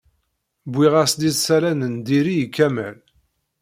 Wwiɣ-as-d isalan n diri i Kamal.